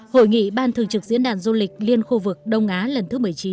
hội nghị ban thường trực diễn đàn du lịch liên khu vực đông á lần thứ một mươi chín